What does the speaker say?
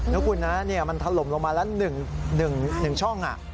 นะคุณนะมันถล่มลงมาแล้ว๑ช่อง